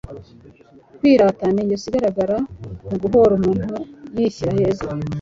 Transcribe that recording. kwirata ni ingeso igaragarira mu guhora umuntu yishyira heza